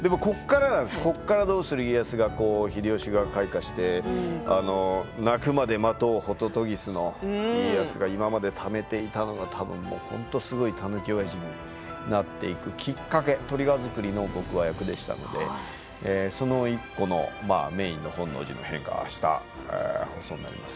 ここから「どうする家康」が秀吉が開花して鳴くまで待とうホトトギスの家康が今までためていたのが多分本当にすごい、たぬきおやじになっていくきっかけトリガー作りの僕は役目でしたのでその１個のメインの本能寺の変があした放送になります。